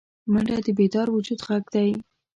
منډه د بیدار وجود غږ دی